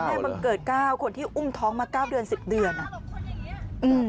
แม่บังเกิด๙คนที่อุ่มท้องมา๙เดือน๑๐เดือน